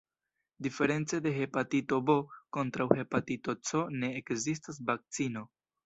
Diference de hepatito B, kontraŭ hepatito C ne ekzistas vakcino.